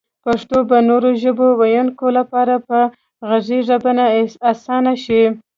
پښتو به نورو ژبو ويونکو لپاره په غږيزه بڼه اسانه شي